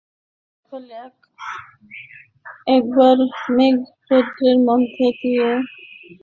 আজ সকালে এক-একবার মেঘরৌদ্রের মধ্যে দিয়ে ভাঙনের দূত আকাশ ঝেঁটিয়ে বেড়াচ্ছে।